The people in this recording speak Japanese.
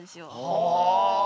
はあ。